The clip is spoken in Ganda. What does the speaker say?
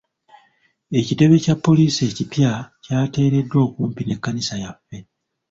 Ekitebe kya poliisi ekipya kyateereddwa okumpi n'ekkanisa yaffe.